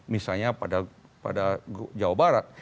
misalnya pada jawa barat